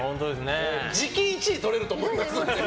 次期１位とれると思います。